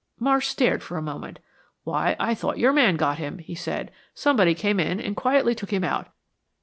Marsh stared for a moment. "Why I thought your man got him," he said. "Somebody came in and quietly took him out."